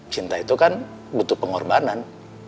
cinta itu kan butuh pengorbanan